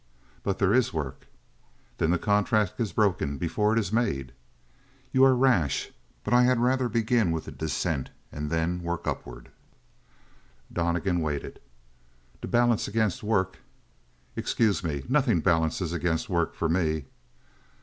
"But there is work." "Then the contract is broken before it is made." "You are rash. But I had rather begin with a dissent and then work upward." Donnegan waited. "To balance against work " "Excuse me. Nothing balances against work for me."